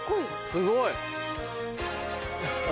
すごい。